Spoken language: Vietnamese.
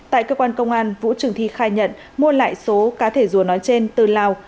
tại cơ quan công an vũ trường thi khai nhận mua lại số cá thể rùa nói trên từ lào